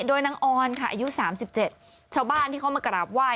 โดยนางออนค่ะอายุ๓๗ชาวบ้านที่เขามากราบไหว้